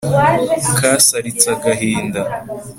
kasaritse agahinda